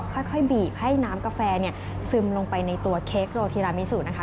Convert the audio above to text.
ค่อยบีบให้น้ำกาแฟเนี่ยซึมลงไปในตัวเค้กโรธีรามิสุนะคะ